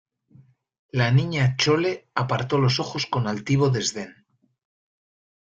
la Niña Chole apartó los ojos con altivo desdén: